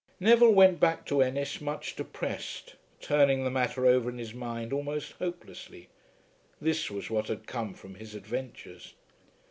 Neville went back to Ennis much depressed, turning the matter over in his mind almost hopelessly. This was what had come from his adventures!